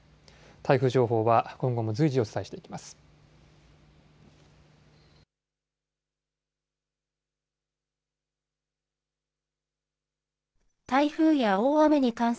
台風情報は今後も随時、お伝えしていきます。